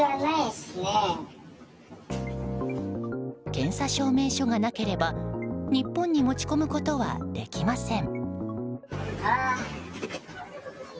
検査証明書がなければ日本に持ち込むことはできません。